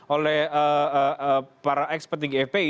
oleh para ex petinggi fpi